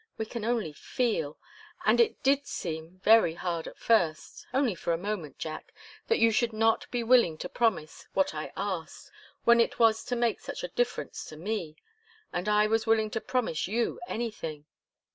We can only feel. And it did seem very hard at first only for a moment, Jack that you should not be willing to promise what I asked, when it was to make such a difference to me, and I was willing to promise you anything.